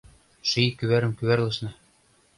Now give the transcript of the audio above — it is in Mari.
Ший кӱварым кӱварлышна.